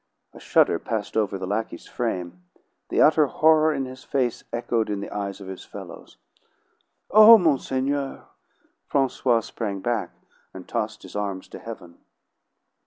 A shudder passed over the lackey's frame; the utter horror in his face echoed in the eyes of his fellows. "Oh, monseigneur!" Francois sprang back, and tossed his arms to heaven.